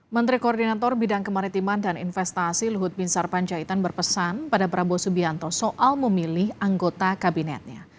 menteri koordinator bidang kemaritiman dan investasi luhut bin sarpanjaitan berpesan pada prabowo subianto soal memilih anggota kabinetnya